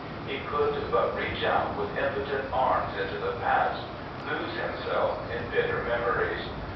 He could but reach out with impotent arms into the past, lose him self in bitter memories.